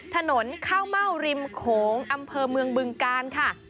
ถนนข้าวเม่าริมโขงอำเภอเมืองบึงกาลค่ะ